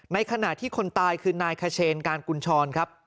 ในขณะที่คนตายคือนายขเชนการกุญชรครับ